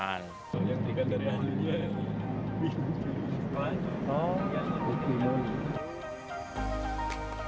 yang tiga dari ahli dia ya